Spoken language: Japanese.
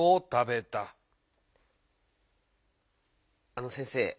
あの先生。